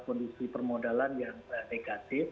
kondisi permodalan yang negatif